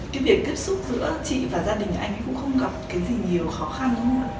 cái việc tiếp xúc giữa chị và gia đình của anh ấy cũng không gặp cái gì nhiều khó khăn đúng không ạ